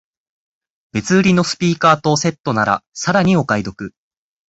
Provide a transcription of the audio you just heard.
別売りのスピーカーとセットならさらにお買い得